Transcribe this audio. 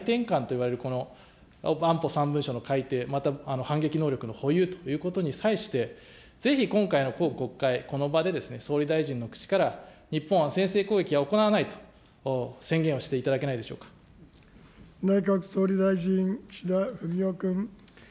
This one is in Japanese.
日本の戦後の防衛の安全保障の大転換といわれるこの安保３文書の改定、また反撃能力の保有ということに際して、ぜひ今回の今国会、この場で総理大臣の口から日本は先制攻撃は行わないと宣言をして内閣総理大臣、岸田文雄君。